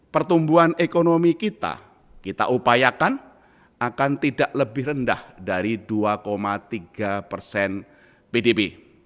pertumbuhan ekonomi kita kita upayakan akan tidak lebih rendah dari dua tiga persen pdb